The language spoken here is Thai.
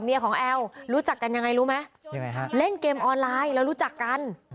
เมียคนนี้นะคะ